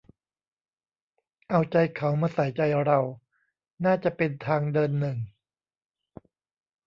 "เอาใจเขามาใส่ใจเรา" น่าจะเป็นทางเดินหนึ่ง